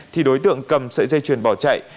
thì đối tượng cầm sợi dây chuyền bỏ chạy